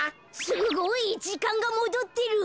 すごい！じかんがもどってる。